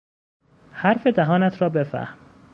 حرف دهانت را بفهم!